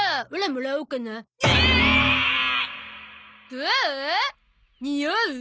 どう？におう？